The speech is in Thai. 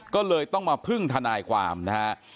ก็เลยต้องมาพึ่งทนายความนะฮะ